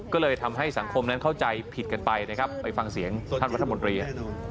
ก็เลยทำให้สังคมนั้นเข้าใจผิดกันไปนะครับไปฟังเสียงท่านรัฐมนตรี